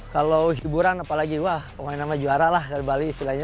kalau hiburan apalagi wah pemain sama juara lah di bali istilahnya